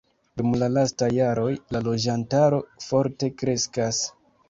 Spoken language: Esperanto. Dum la lastaj jaroj la loĝantaro forte kreskas.